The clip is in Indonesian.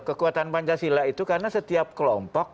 kekuatan pancasila itu karena setiap kelompok